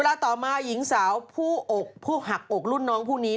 เวลาต่อมาหญิงสาวผู้หักอกรุ่นน้องพวกนี้